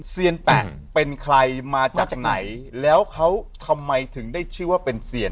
เซียนแปะเป็นใครมาจากไหนแล้วเขาทำไมถึงได้ชื่อว่าเป็นเซียน